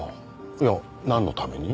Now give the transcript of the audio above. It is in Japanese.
いや何のために？